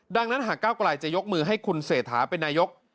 ดังนั้นหากก้าวไกลจะยกมือให้คุณเศรษฐาเป็นนายก